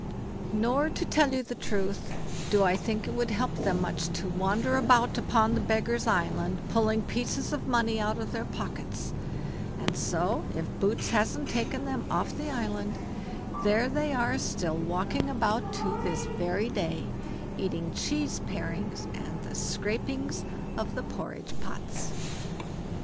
Nor, to tell you the truth, do I think it would help them much to wander about upon the Beggars' island pulling pieces of money out of their pockets; and so, if Boots hasn't taken them off the island, there they are still walking about to this very day, eating cheese parings and the scrapings of the porridge pots.